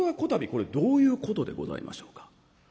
これどういうことでございましょうか。